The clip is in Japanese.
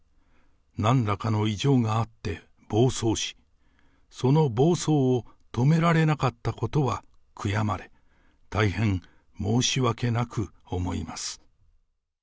なんらかの異常があって暴走し、その暴走を止められなかったことは悔やまれ、大変申し訳なく思います。